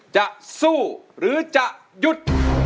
จะสู้หรือจะหยุด